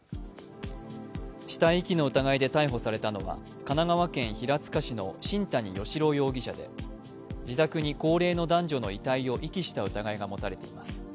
死体遺棄の疑いで逮捕されたのは神奈川県平塚市の新谷嘉朗容疑者で自宅に高齢の男女の遺体を遺棄した疑いがもたれています。